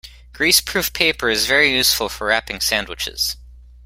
Greaseproof paper is very useful for wrapping sandwiches